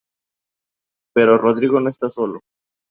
Pero Rodrigo no está solo.